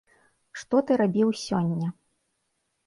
Што ты рабіў сёння?